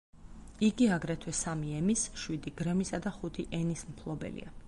იგი აგრეთვე სამი ემის, შვიდი გრემისა და ხუთი ენის მფლობელია.